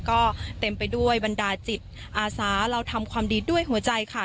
ก็เต็มไปด้วยบรรดาจิตอาสาเราทำความดีด้วยหัวใจค่ะ